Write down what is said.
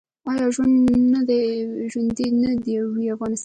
آیا ژوندی دې نه وي افغانستان؟